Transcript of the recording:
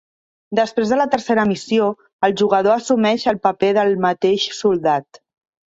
Després de la tercera missió, el jugador assumeix el paper del mateix soldat.